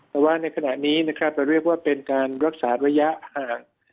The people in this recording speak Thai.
แต่ว่าในขณะนี้นะครับเราเรียกว่าเป็นการรักษาระยะห่าง